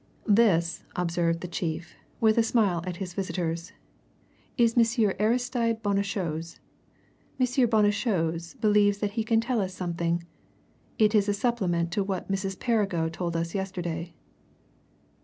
"This," observed the chief, with a smile at his visitors, "is Monsieur Aristide Bonnechose. M. Bonnechose believes that he can tell us something. It is a supplement to what Mrs. Perrigo told us yesterday.